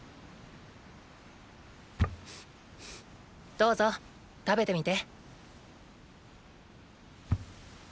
どうぞ食べてみて。